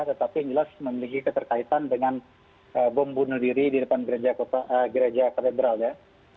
tetapi yang jelas memiliki keterkaitan dengan bom bunuh diri di depan gereja katedral ya